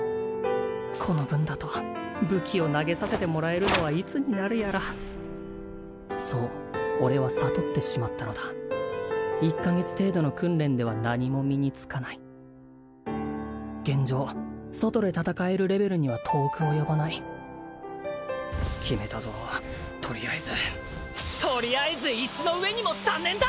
この分だと武器を投げさせてもらえるのはいつになるやらそう俺は悟ってしまったのだ１カ月程度の訓練では何も身につかない現状外で戦えるレベルには遠く及ばない決めたぞとりあえずとりあえず石の上にも３年だ！